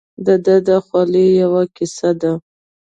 دده د خولې یوه کیسه ده.